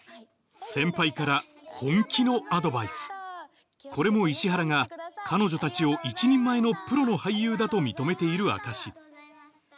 先輩から本気のアドバイスこれも石原が彼女たちを一人前のプロの俳優だと認めている証し